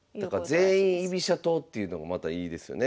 全員居飛車党っていうのもまたいいですよね。